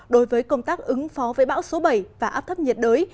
đối với công tác ứng phó với bão số bảy và áp thấp nhiệt đới